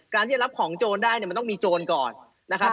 ที่จะรับของโจรได้เนี่ยมันต้องมีโจรก่อนนะครับ